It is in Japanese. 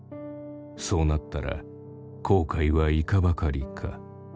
そうなったら後悔はいかばかりか」。